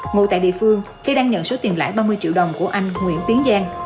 ngồi tại địa phương khi đang nhận số tiền lãi ba mươi triệu đồng của anh nguyễn tiến giang